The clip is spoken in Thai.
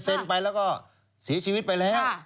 ไปแล้วก็เสียชีวิตไปแล้ว